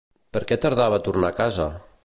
Per què tardava a tornar a casa?